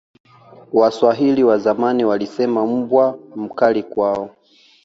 waswahili wa zamani walisema mbwa mkali kwao